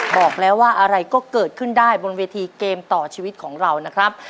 บอกแล้วว่าอะไรก็เกิดขึ้นได้บนเวทีเกมต่อชีวิตของเรานะครับ